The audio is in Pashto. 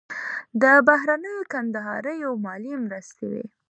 د بهرنیو کندهاریو مالي مرستې وې.